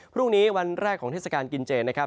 พรุ่งนี้วันแรกของเทศกาลกินเจนะครับ